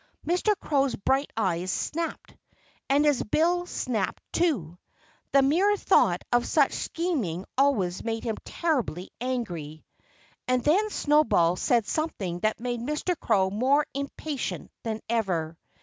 Mr. Crow's bright eyes snapped. And his bill snapped, too. For the mere thought of such scheming always made him terribly angry. And then Snowball said something that made Mr. Crow more impatient than ever.